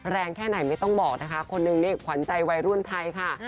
แค่ไหนไม่ต้องบอกนะคะคนนึงนี่ขวัญใจวัยรุ่นไทยค่ะ